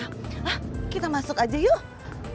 nah kita masuk aja yuk